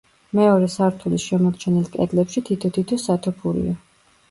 მეორე სართულის შემორჩენილ კედლებში თითო-თითო სათოფურია.